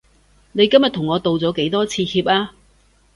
你今日同我道咗幾多次歉啊？